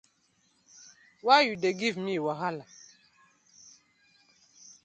Why you dey give me wahala?